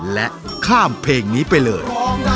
และข้ามเพลงนี้ไปเลย